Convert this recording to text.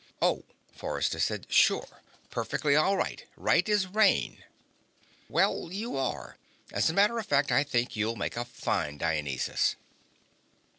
"Oh," Forrester said. "Sure. Perfectly all right. Right as rain." "Well, you are. As a matter of fact, I think you'll make a fine Dionysus."